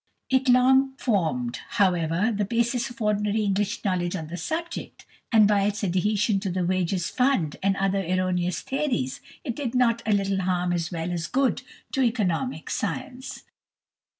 It long formed, however, the basis of ordinary English knowledge on the subject, and by its adhesion to the Wages Fund and other erroneous theories, it did not a little harm as well as good to Economic Science.